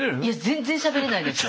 全然しゃべれないです。